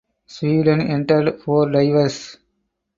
Sweden entered four divers.